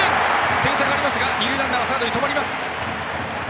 点差がありますが二塁ランナーはサードで止まります。